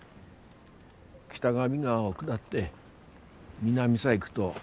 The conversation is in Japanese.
北上川を下って南さ行ぐど